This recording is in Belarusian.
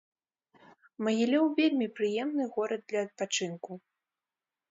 Магілёў вельмі прыемны горад для адпачынку.